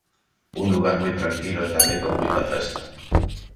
Un lugar moi tranquilo e tamén con moita festa.